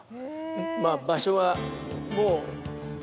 まぁ場所はもう